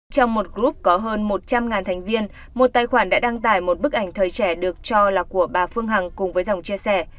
trong một group có hơn một trăm linh thành viên một tài khoản đã đăng tải một bức ảnh thời trẻ được cho là của bà phương hằng cùng với dòng chia sẻ